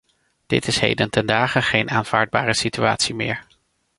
Dit is heden ten dage geen aanvaardbare situatie meer.